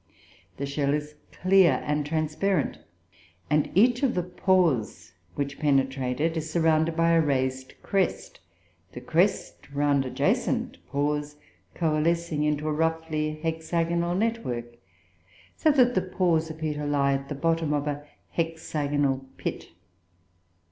The shell is clear and transparent, and each of the pores which penetrate it is surrounded by a raised crest, the crest round adjacent pores coalescing into a roughly hexagonal network, so that the pores appear to lie at the bottom of a hexagonal pit.